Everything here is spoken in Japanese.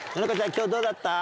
今日どうだった？